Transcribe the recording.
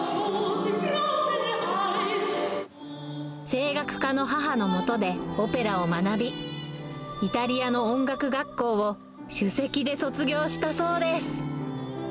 声楽家の母のもとで、オペラを学び、イタリアの音楽学校を首席で卒業したそうです。